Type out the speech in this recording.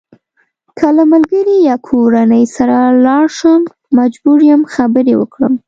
که له ملګري یا کورنۍ سره لاړ شم مجبور یم خبرې وکړم.